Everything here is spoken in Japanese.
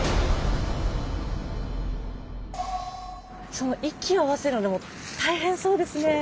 その息を合わせるのでも大変そうですね。